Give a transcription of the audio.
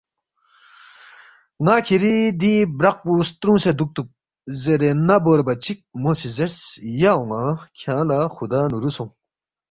ن٘ا کِھری دی برَق پو سترُونگسے دُوکتُوک زیرے نا بوربا چِک مو سی زیرس، ”یا اون٘ا کھیانگ لہ خُدا نُورُو سونگ